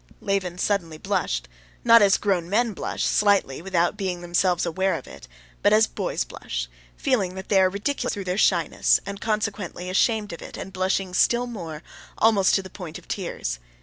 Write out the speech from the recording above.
Levin suddenly blushed, not as grown men blush, slightly, without being themselves aware of it, but as boys blush, feeling that they are ridiculous through their shyness, and consequently ashamed of it and blushing still more, almost to the point of tears.